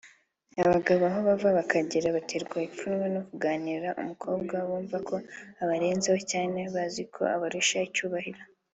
Abagabo aho bava bakagera baterwa ipfunwe no kuganiriza umukobwa bumva ko abarenzeho cyangwa bazi ko abarusha icyubahiro